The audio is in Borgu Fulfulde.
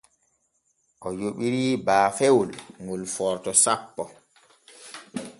O yoɓiri baafewol ŋol Forto sappo.